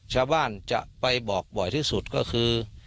ชาวบ้านจะไปบอกบ่อยที่สุดก็คือ